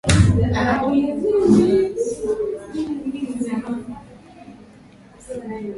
Ugonjwa huu huweza kuua wanyama wachanga silimia kumi hadi hamsini